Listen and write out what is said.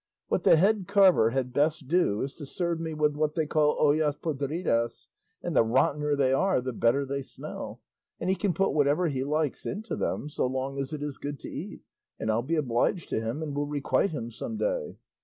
What the head carver had best do is to serve me with what they call ollas podridas (and the rottener they are the better they smell); and he can put whatever he likes into them, so long as it is good to eat, and I'll be obliged to him, and will requite him some day.